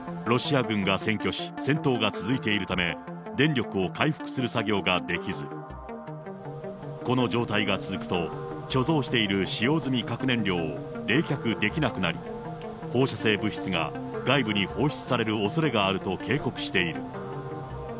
ロシア軍が占拠し、戦闘が続いているため、電力を回復する作業ができず、この状態が続くと、貯蔵している使用済み核燃料を冷却できなくなり、放射性物質が外部に放出されるおそれがあると警告している。